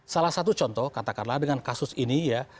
salah satu contoh katakanlah dengan kasus ini ya